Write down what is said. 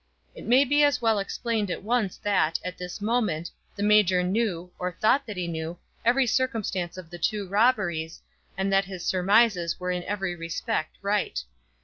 It may be as well explained at once that, at this moment, the major knew, or thought that he knew, every circumstance of the two robberies, and that his surmises were in every respect right.